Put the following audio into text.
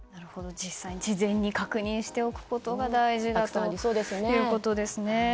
実際に事前に確認することがだいじだということですね。